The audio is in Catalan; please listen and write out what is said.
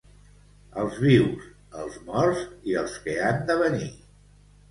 Els vius, els morts i els que han de venir.